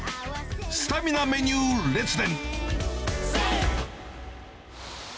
スタミナメニュー列伝。